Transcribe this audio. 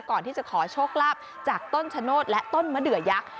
ก่อนที่จะขอโชคลาภจากต้นชะโนธและต้นมะเดือยักษ์